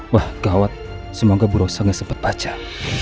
wah gawat semoga bu rosa nggak sempet pacar